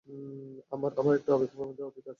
আমার একটা আবেগপ্রবণ অতীত আছে।